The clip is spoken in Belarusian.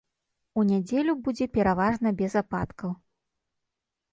У нядзелю будзе пераважна без ападкаў.